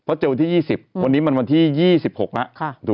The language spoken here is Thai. เพราะเจอวันที่๒๐วันนี้มันวันที่๒๖แล้ว